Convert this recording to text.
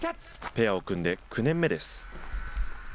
ペアを組んで９年目です。